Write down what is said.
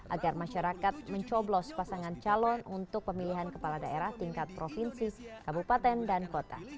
agar masyarakat mencoblos pasangan calon untuk pemilihan kepala daerah tingkat provinsi kabupaten dan kota